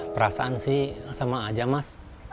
perasaan sih sama aja mas